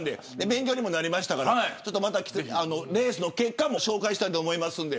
勉強にもなりましたのでレースの結果も紹介したいと思います。